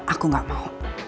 aku gak mau